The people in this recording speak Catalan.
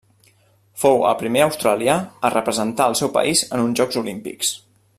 Fou el primer australià a representar el seu país en uns Jocs Olímpics.